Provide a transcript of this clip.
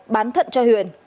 bán thận cho huyền